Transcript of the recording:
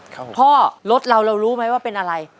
ครับผมพ่อรถเรารู้ไหมว่าเป็นอะไร